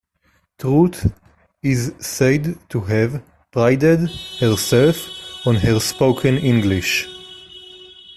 Truth is said to have prided herself on her spoken English.